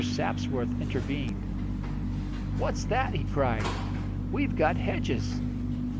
Sapsworth intervened. "What's that?" he cried. "We've got Hedges!"